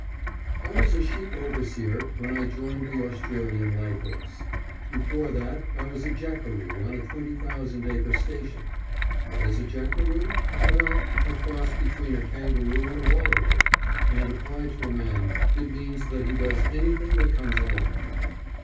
] I was a sheep overseer when I joined the Australian Light Horse. Before that I was a jackaroo on a twenty thousand acre station. What is a jackaroo? Well, a cross between a kangaroo and a wallaroo, and applied to a man, it means that he does anything that comes along.